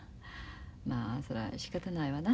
まあそらしかたないわな。